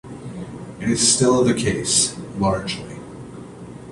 It is still the case, largely.